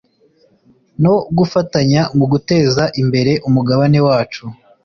no gufatanya mu guteza imbere umugabane wacu